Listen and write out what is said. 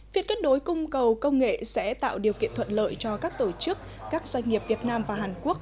việc kết nối cung cầu công nghệ sẽ tạo điều kiện thuận lợi cho các tổ chức các doanh nghiệp việt nam và hàn quốc